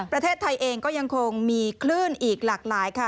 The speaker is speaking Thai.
ประเทศไทยเองก็ยังคงมีคลื่นอีกหลากหลายค่ะ